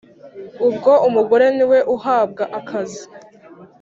ubwo umugore niwe uhabwa akazi,